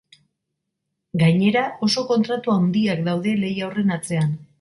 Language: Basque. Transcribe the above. Gainera, oso kontratu handiak daude lehia horren atzean.